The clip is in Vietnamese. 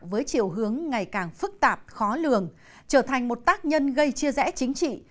và đổi hướng ngày càng phức tạp khó lường trở thành một tác nhân gây chia rẽ chính trị